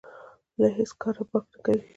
له هېڅ کاره باک نه کوي.